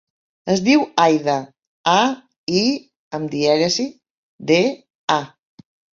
Es diu Aïda: a, i amb dièresi, de, a.